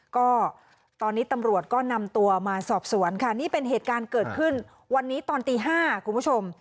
ก็ตอนนี้ตำรวจก็นำตัวมาสอบสวนค่ะนี่เป็นเหตุการณ์เกิดขึ้นวันนี้ตอนตี๕คุณผู้ชม